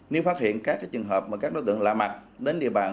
nếu phát hiện các trường hợp mà các đối tượng lạ mặt đến địa bàn